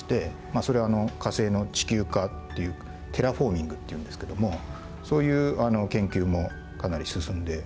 それは火星の地球化っていうテラフォーミングっていうんですけどもそういう研究もかなり進んでいます。